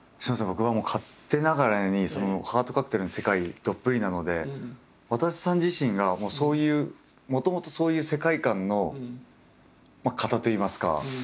僕は勝手ながらに「ハートカクテル」の世界どっぷりなのでわたせさん自身がもうそういうもともとそういう世界観の方といいますか。